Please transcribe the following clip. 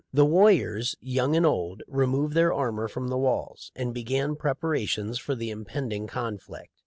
The warriors, young and old, removed their armor from the walls, and began preparations for the impending conflict.